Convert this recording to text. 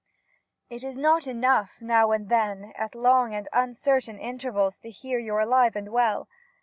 It is not enough, now and then, at long and uncer tain intervals to hear you 're alive and well.